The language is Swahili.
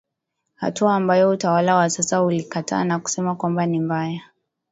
hatua ambayo utawala wa sasa ulikataa na kusema kwamba ni mbaya